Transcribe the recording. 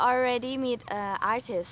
aku udah ketemu artis